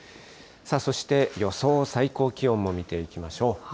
そして、予想最高気温も見ていきましょう。